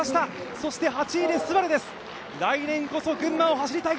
そして８位にＳＵＢＡＲＵ、来年こそ群馬を走りたい。